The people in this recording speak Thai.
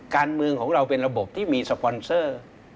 การเมืองของเราเป็นระบบที่มีสปอนเซอร์